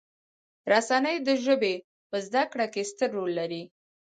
رسنۍ د ژبې په زده کړې کې ستر رول لري.